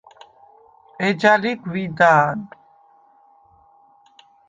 ეჯა ლი გვიდა̄ნ.